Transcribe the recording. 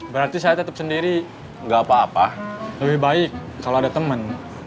berarti saya tetap sendiri nggak apa apa lebih baik kalau ada teman